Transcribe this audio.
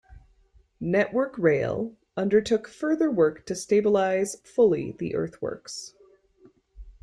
Network Rail undertook further work to stabilise fully the earthworks.